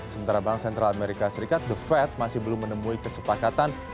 sementara bank sentral amerika serikat the fed masih belum menemui kesepakatan